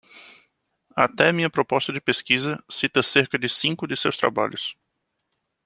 Até minha proposta de pesquisa cita cerca de cinco de seus trabalhos.